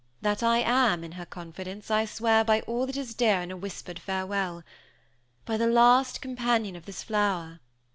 That I am in her confidence, I swear by all that is dear in a whispered farewell. By the last companion of this flower!"